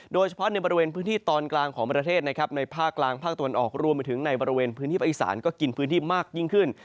โดยเฉพาะในบริเวณพื้นที่ตอนกลางของประเทศนะครับในภาคกลางภาคตะวันออกรวมไปถึงในบริเวณพื้นที่ภาคอีสานก็กินพื้นที่มากยิ่งขึ้น